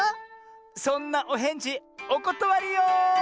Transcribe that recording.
そんなおへんじおことわりよ！